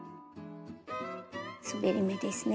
すべり目ですね。